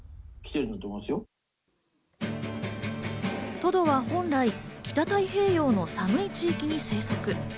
トドは本来、北太平洋の寒い地域に生息。